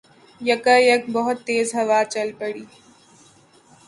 یکایک بہت تیز ہوا چل پڑی